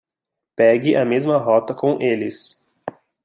Pegue a mesma rota com eles